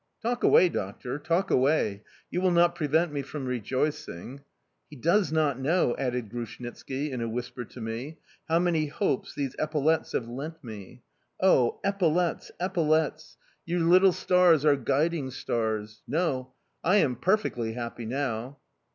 "Talk away, doctor, talk away! You will not prevent me from rejoicing. He does not know," added Grushnitski in a whisper to me, "how many hopes these epaulettes have lent me... Oh!... Epaulettes, epaulettes! Your little stars are guiding stars! No! I am perfectly happy now!"